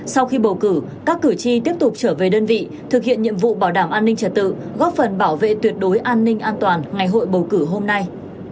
sau khi bầu cử các cử tri tiếp tục trở về đơn vị thực hiện nhiệm vụ bảo đảm an ninh trật tự góp phần bảo vệ tuyệt đối an ninh an toàn ngày hội bầu cử hôm nay